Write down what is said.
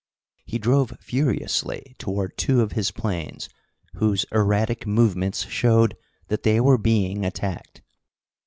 He drove furiously toward two of his planes whose erratic movements showed that they were being attacked.